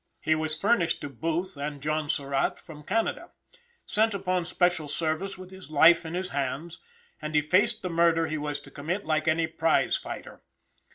He was furnished to Booth and John Surratt from Canada; sent upon special service with his life in his hands; and he faced the murder he was to commit like any prize fighter.